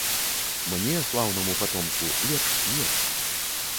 Мне, слаўнаму патомку, лепш смерць.